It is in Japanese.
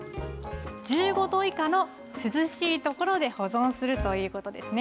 １５度以下の涼しいところで保存するということですね。